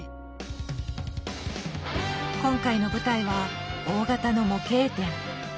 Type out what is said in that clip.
今回の舞台は大型の模型店。